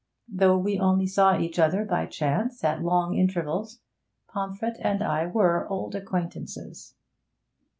Though we only saw each other by chance at long intervals, Pomfret and I were old acquaintances.